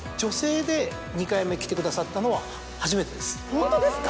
ホントですか⁉